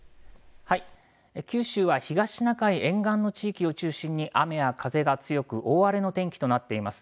九州は東シナ海沿岸の地域を中心に雨や風が強く大荒れの天気となっています。